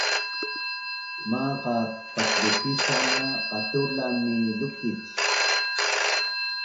Maqat patlukican na qatulan ni lukic